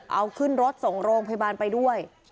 เอาขึ้นรถส่งโรงพยาบาลไปด้วย